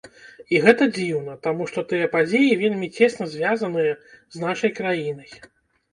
І гэта дзіўна, таму што тыя падзеі вельмі цесна звязаныя з нашай краінай.